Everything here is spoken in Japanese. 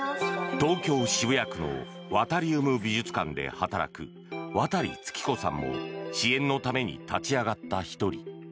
東京・渋谷区のワタリウム美術館で働く和多利月子さんも支援のために立ち上がった１人。